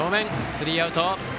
スリーアウト。